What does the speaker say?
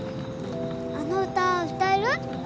あの歌歌える？